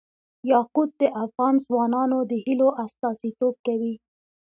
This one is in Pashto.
یاقوت د افغان ځوانانو د هیلو استازیتوب کوي.